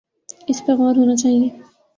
اس پہ غور ہونا چاہیے۔